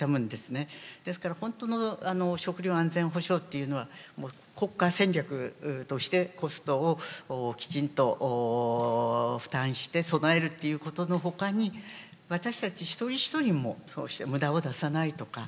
ですからほんとの食料安全保障っていうのはもう国家戦略としてコストをきちんと負担して備えるっていうことのほかに私たち一人一人もそうして無駄を出さないとか。